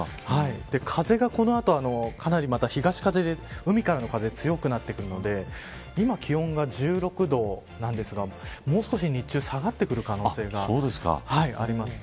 風が、この後かなり東風で海からの風が強くなってくるので今、気温が１６度なんですがもう少し日中下がってくる可能性があります。